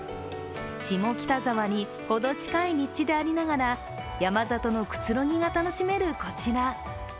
下北沢にほど近い立地でありながら山里のくつろぎが楽しめるこちら。